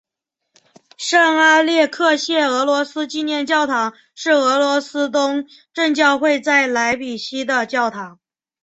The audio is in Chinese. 圣阿列克谢俄罗斯纪念教堂是俄罗斯东正教会在莱比锡的教堂。